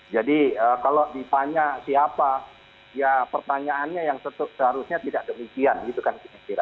jadi kalau dipanya siapa ya pertanyaannya yang seharusnya tidak demikian gitu kan